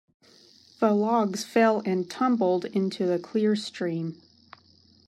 The logs fell and tumbled into the clear stream.